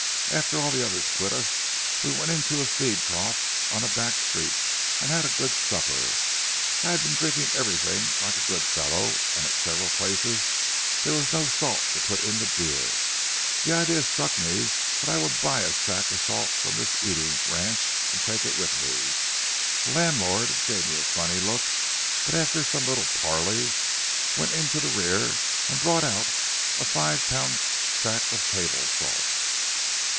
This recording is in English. After all the others quit us, we went into a feed trough on a back street, and had a good supper. I had been drinking everything like a good fellow, and at several places there was no salt to put in the beer. The idea struck me that I would buy a sack of salt from this eating ranch and take it with me. The landlord gave me a funny look, but after some little parley went to the rear and brought out a five pound sack of table salt.